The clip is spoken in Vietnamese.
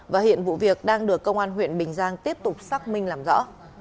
và hiện vụ việc đang được công an huyện bình giang tiếp tục xác minh làm rõ